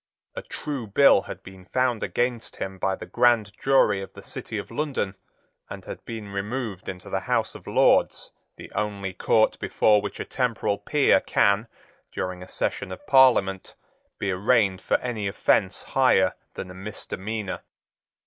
A true bill had been found against him by the grand jury of the City of London, and had been removed into the House of Lords, the only court before which a temporal peer can, during a session of Parliament, be arraigned for any offence higher than a misdemeanour.